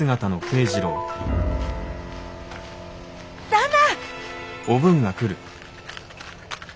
・旦那！